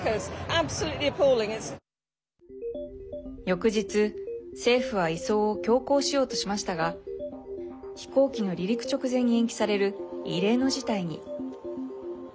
翌日、政府は移送を強行しようとしましたが飛行機の離陸直前に延期される異例の事態に。